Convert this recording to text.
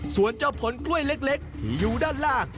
ส่วนเจ้าผลกล้วยเล็กที่อยู่ด้านล่าง